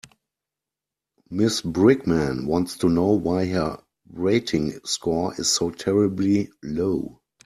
Mrs Brickman wants to know why her rating score is so terribly low.